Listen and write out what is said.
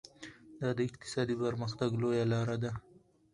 دا د اقتصادي پرمختګ لویه لار ده.